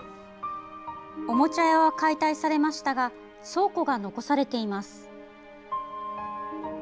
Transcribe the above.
おもちゃ屋は解体されましたが倉庫が残されています。